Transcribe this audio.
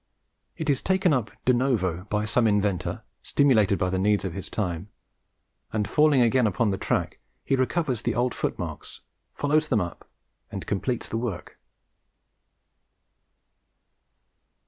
It is taken up de novo by some inventor, stimulated by the needs of his time, and falling again upon the track, he recovers the old footmarks, follows them up, and completes the work.